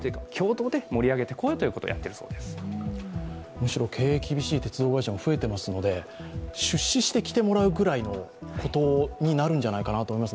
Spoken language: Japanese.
むしろ経営が厳しい鉄道会社も増えていますので、出資して来てもらうくらいのことになるんじゃないかと思います。